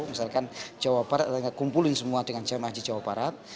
misalkan jawa barat kita kumpulin semua dengan jamaah haji jawa barat